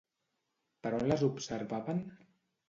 Per on les observaven?